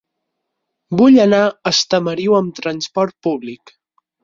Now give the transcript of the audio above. Vull anar a Estamariu amb trasport públic.